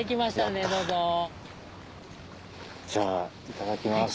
いただきます。